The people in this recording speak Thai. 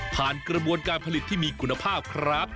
กระบวนการผลิตที่มีคุณภาพครับ